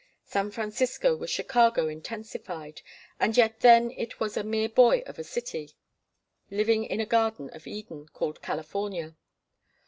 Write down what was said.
San Francisco was Chicago intensified, and yet then it was a mere boy of a city, living in a garden of Eden, called California.